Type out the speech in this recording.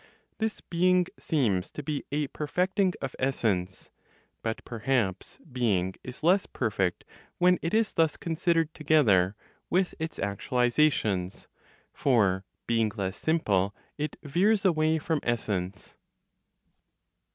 This being seems to be a perfecting of essence; but perhaps being is less perfect when it is thus considered together with its actualizations; for, being less simple, it veers away from essence.